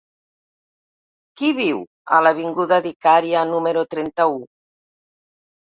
Qui viu a l'avinguda d'Icària número trenta-u?